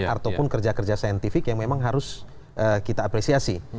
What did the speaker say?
ataupun kerja kerja saintifik yang memang harus kita apresiasi